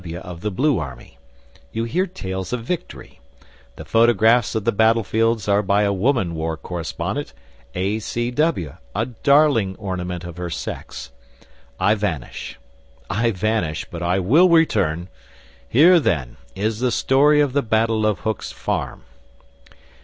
G. W., of the Blue Army. You hear tales of victory. The photographs of the battlefields are by a woman war correspondent, A. C. W., a daring ornament of her sex. I vanish. I vanish, but I will return. Here, then, is the story of the battle of Hook's Farm.